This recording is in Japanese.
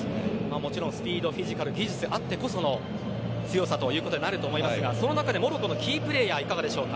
もちろんスピード、フィジカル技術あっての強さということになると思いますがその中でモロッコのキープレーヤーはいかがですか。